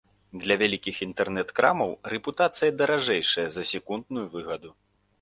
Для вялікіх інтэрнэт-крамаў рэпутацыя даражэйшая за секундную выгаду.